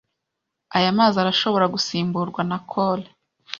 Aya mazi arashobora gusimburwa na kole.